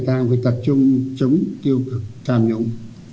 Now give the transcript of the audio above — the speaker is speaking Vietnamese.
càng phải tập trung chống tiêu cực tham nhũng